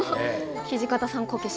土方さんこけし。